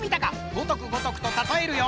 ごとくごとくとたとえるよ。